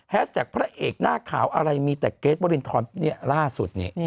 แพทย์จากพระเอกหน้าข่าวอะไรมีแต่เกฟโบรินทรล่าสุด